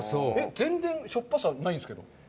全然、しょっぱさはないんですけど。